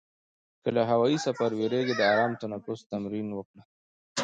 که له هوایي سفر وېرېږې، د آرام تنفس تمرین وکړه.